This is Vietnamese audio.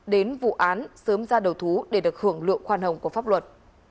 đến vụ án sớm ra đầu thú để được hưởng lượng khoan hồng của pháp luật